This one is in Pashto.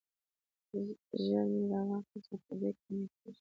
ژر مې را واخیست او په بیک کې مې کېښود.